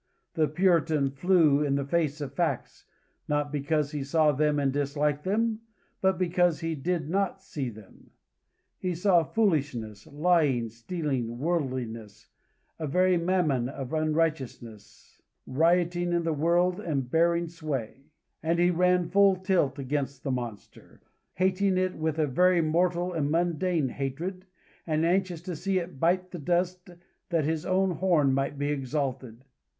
The Puritan flew in the face of facts, not because he saw them and disliked them, but because he did not see them. He saw foolishness, lying, stealing, worldliness the very mammon of unrighteousness rioting in the world and bearing sway and he ran full tilt against the monster, hating it with a very mortal and mundane hatred, and anxious to see it bite the dust that his own horn might be exalted.